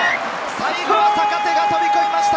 最後は坂手が飛び込みました！